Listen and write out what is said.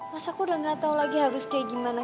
mas aku udah gak tau lagi harus kayak gimana